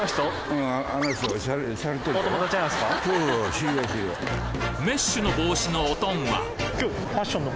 知り合い・メッシュの帽子のオトンは？